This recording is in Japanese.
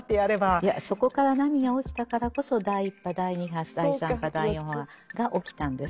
いやそこから波が起きたからこそ第一波第二波第三波第四波が起きたんです。